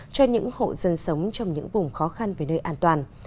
cho những hộ dân sống trong những vùng khó khăn về nơi an toàn